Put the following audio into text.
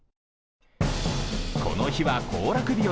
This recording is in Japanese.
この日は行楽日和。